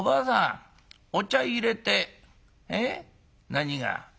何が？